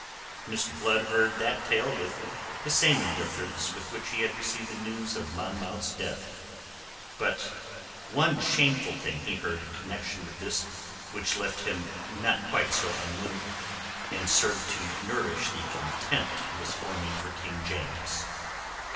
Mr. Blood heard that tale with the same indifference with which he had received the news of Monmouth's death. But one shameful thing he heard in connection with this which left him not quite so unmoved, and served to nourish the contempt he was forming for King James.